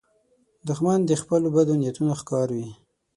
دښمن د خپلو بدو نیتونو ښکار وي